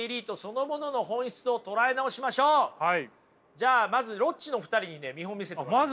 じゃあまずロッチのお二人にね見本見せてもらいましょう。